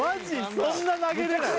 そんな投げれない？